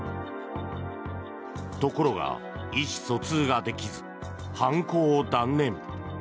ところが意思疎通ができず犯行を断念。